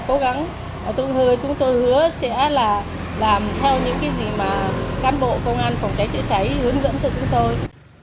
chúng tôi hứa sẽ làm theo những cái gì mà cán bộ công an phòng cháy chữa cháy hướng dẫn cho chúng tôi